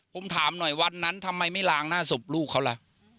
ผมถามหน่อยวันนั้นทำไมไม่ล้างหน้าศพลูกเขาล่ะ